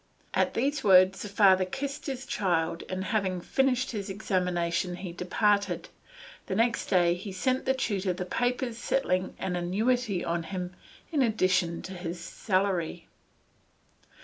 At these words, the father kissed his child, and having finished his examination he departed. The next day he sent the tutor the papers settling an annuity on him in addition to his salary.